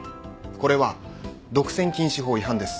これは独占禁止法違反です。